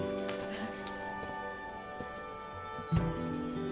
えっ？